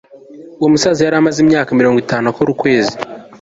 Uwo musaza yari amaze imyaka mirongo itanu akora ukwezi